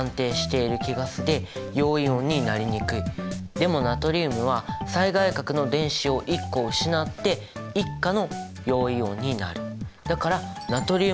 でもナトリウムは最外殻の電子を１個失って１価の陽イオンになる。